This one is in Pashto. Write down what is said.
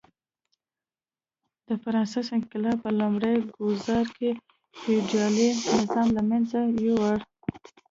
د فرانسې انقلاب په لومړي ګوزار کې فیوډالي نظام له منځه یووړ.